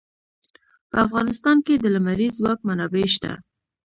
په افغانستان کې د لمریز ځواک منابع شته.